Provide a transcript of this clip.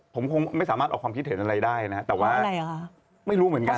ผมคงไม่สามารถออกความคิดเห็นอะไรได้นะฮะแต่ว่าไม่รู้เหมือนกัน